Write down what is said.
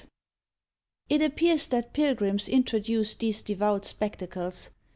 It appears that pilgrims introduced these devout spectacles.